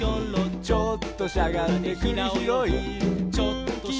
「ちょっとしゃがんでくりひろい」